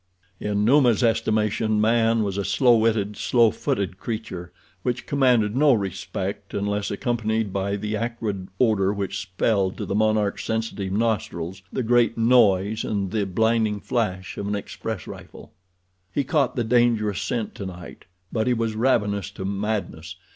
In Numa's estimation man was a slow witted, slow footed creature which commanded no respect unless accompanied by the acrid odor which spelled to the monarch's sensitive nostrils the great noise and the blinding flash of an express rifle. He caught the dangerous scent tonight; but he was ravenous to madness.